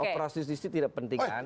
operasi justisi tidak penting kan